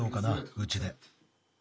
うちで。